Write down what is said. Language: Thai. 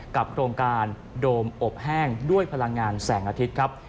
โครงการโดมอบแห้งด้วยพลังงานแสงอาทิตย์ครับ